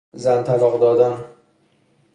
زن طلاق دادن